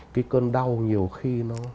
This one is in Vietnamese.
cái cơn đau nhiều khi